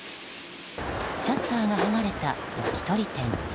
シャッターが剥がれた焼き鳥店。